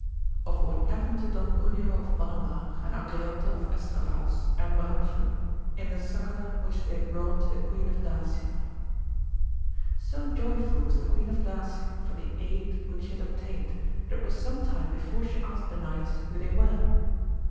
— Of what happened to Don Bruneo of Bonamar and Angriote of Estravaus and Braufil, in the succour which they brought to the Queen of Dacia. |0 joyful was the Queen of Dacia for the aid which she had obtained, that it was some II time before she asked the knights who they were.